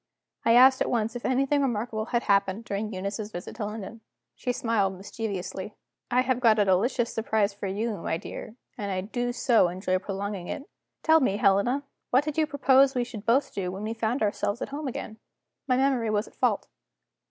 I asked at once if anything remarkable had happened during Eunice's visit to London. She smiled mischievously. "I have got a delicious surprise for you, my dear; and I do so enjoy prolonging it. Tell me, Helena, what did you propose we should both do when we found ourselves at home again?" My memory was at fault.